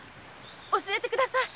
教えてください。